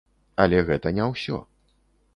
Але гэта не ўсё.